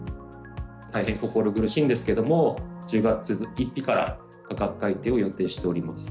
大変心苦しいんですけれども、１０月１日から価格改定を予定しております。